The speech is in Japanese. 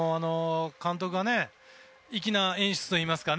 監督が粋な演出といいますか。